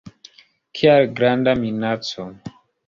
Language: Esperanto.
Kial granda minaco?